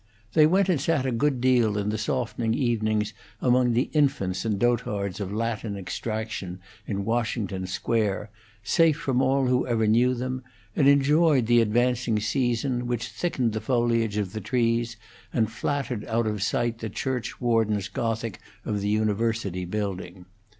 They went and sat a good deal in the softening evenings among the infants and dotards of Latin extraction in Washington Square, safe from all who ever knew them, and enjoyed the advancing season, which thickened the foliage of the trees and flattered out of sight the church warden's Gothic of the University Building.